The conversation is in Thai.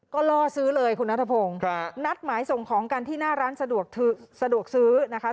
ก็ล่อซื้อเลยคุณนัทพงศ์นัดหมายส่งของกันที่หน้าร้านสะดวกซื้อนะคะ